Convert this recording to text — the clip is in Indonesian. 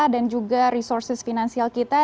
dan juga resources finansial kita